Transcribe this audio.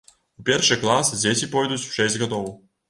У першы клас дзеці пойдуць у шэсць гадоў.